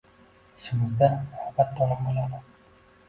Ishimizda albatta unum boʻladi.